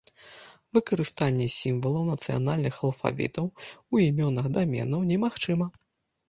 Выкарыстанне сімвалаў нацыянальных алфавітаў у імёнах даменаў немагчыма.